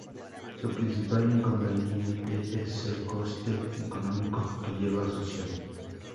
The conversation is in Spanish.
Su principal inconveniente es el coste económico que lleva asociado.